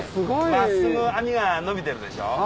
真っすぐ網が延びてるでしょ？